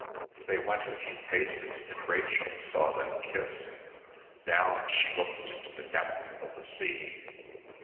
They went a few paces and Rachel saw them kiss. Down she looked into the depth of the sea.